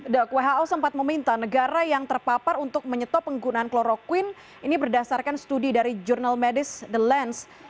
dok who sempat meminta negara yang terpapar untuk menyetop penggunaan kloroquine ini berdasarkan studi dari jurnal medis the lands